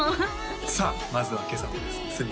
さあまずは今朝もですね